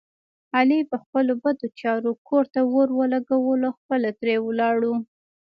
علي په خپلو بدو چارو کور ته اور ولږولو خپله ترې ولاړو.